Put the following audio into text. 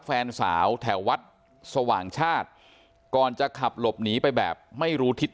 แฟนสาวแถววัดสว่างชาติก่อนจะขับหลบหนีไปแบบไม่รู้ทิศ